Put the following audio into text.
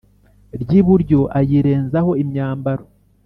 Ry iburyo ayirenzaho imyambaro